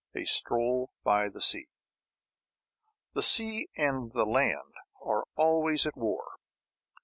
A STROLL BY THE SEA. The sea and the land are always at war.